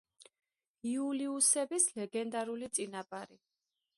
იულიუსების ლეგენდარული წინაპარი.